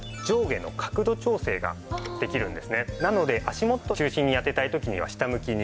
なので足元中心に当てたい時には下向きに。